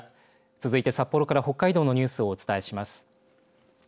続いて札幌から北海道のニュースをお伝えします。